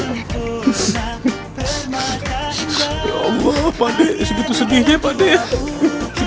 ya allah pak de segitu sedihnya pak de